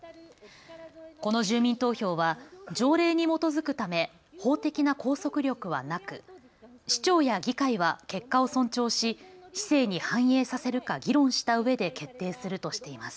この住民投票は条例に基づくため法的な拘束力はなく市長や議会は結果を尊重し市政に反映させるか議論したうえで決定するとしています。